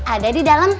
ada di dalam